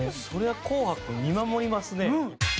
それは『紅白』見守りますね。